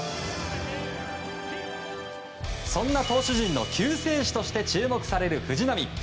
そんな投手陣の救世主として注目される藤浪。